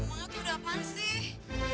emang itu udah apaan sih